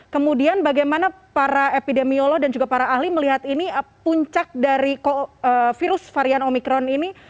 kemudian bagaimana para epidemiolog dan juga para ahli melihat ini puncak dari virus varian omikron ini